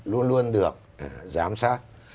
luôn luôn được giám sát